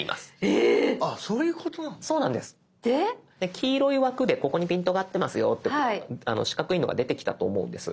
黄色い枠でここにピントが合ってますよと四角いのが出てきたと思うんです。